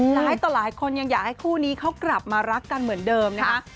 หลายคนยังอยากให้คู่นี้เขากลับมารักกันเหมือนเดิมนะคะ